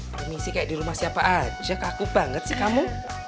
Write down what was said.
permisi kayak di rumah siapa aja kaku banget sih kamu